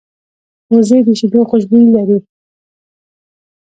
وزې د شیدو خوشبويي لري